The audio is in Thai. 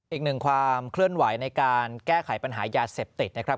อีกหนึ่งความเคลื่อนไหวในการแก้ไขปัญหายาเสพติดนะครับ